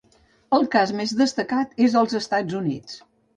El cas més destacat és als Estats Units.